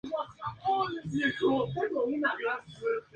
Es la segunda unidad más poblada del conurbano bonaerense.